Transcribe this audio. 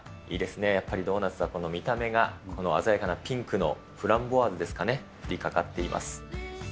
いいですね、やっぱりドーナツはこの見た目が、この鮮やかなピンクのフランボワーズですかね、に、振りかかっています。